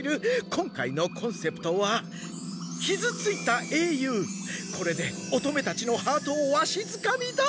今回のコンセプトは「きずついた英雄」。これでおとめたちのハートをわしづかみだ！